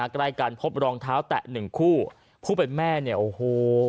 ใกล้กันพบรองเท้าแตะหนึ่งคู่ผู้เป็นแม่เนี่ยโอ้โห